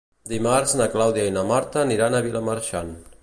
Dimarts na Clàudia i na Marta aniran a Vilamarxant.